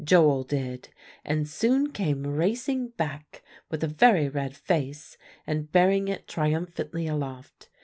Joel did, and soon came racing back with a very red face, and bearing it triumphantly aloft.